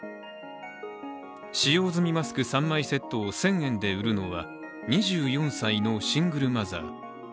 使用済みマスク３枚セットを１０００円で売るのは２４歳のシングルマザー。